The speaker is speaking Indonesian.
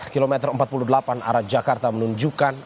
kilometer empat puluh delapan arah jakarta menunjukkan